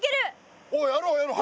おっやろうやろう。